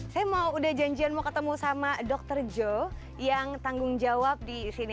saya mau udah janjian mau ketemu sama dokter joe yang tanggung jawab di sini